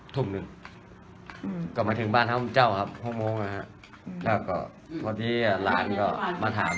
ถุงหนึ่งก็มาถึงบ้านห้องเจ้าครับห้องโมงนะครับแล้วก็พอดีอ่ะหลานก็มาถาม